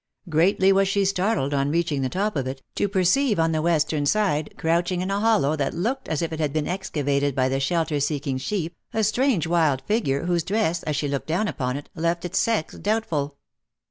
Greatly was she startled on reaching the top of it, to perceive on the western side, crouching' % in a hol.'ow that looked as if it had been excavated by the shelter seeking sheep, a strange wild figure, whose dress, as she looked down upon it, left its sex doubtful.